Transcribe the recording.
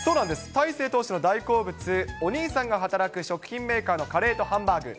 大勢投手の大好物、お兄さんが働く食品メーカーのカレーとハンバーグ。